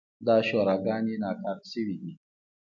دا شوراګانې ناکاره شوې دي.